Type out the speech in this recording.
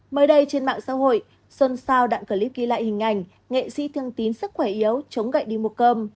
mới đây trên mạng xã hội xuân sao đạn clip ghi lại hình ảnh nghệ sĩ thương tín sức khỏe yếu chống gậy đi mua cơm